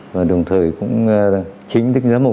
và đồng thời cũng chính tức giáo mục